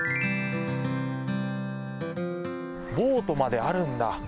ボートまであるんだ。